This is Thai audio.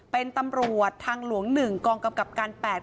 เป็นตำรวจทางหลวง๑กองกำกับการ๘